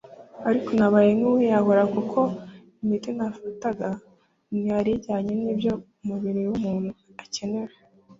Ariko nabaye nk’uwiyahura kuko imiti nafataga ntiyari ijyanye n’ibyo umubiri w’umuntu ukenera